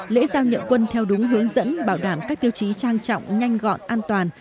lễ giao nhận quân theo đúng hướng dẫn bảo đảm các tiêu chí trang trọng nhanh gọn an toàn